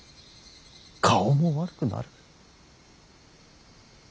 顔も悪くなる。